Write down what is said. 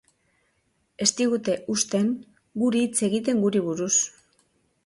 Ez digute uzten guri hitz egiten guri buruz.